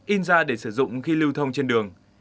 in ra để sử dụng khi lưu thông trên đường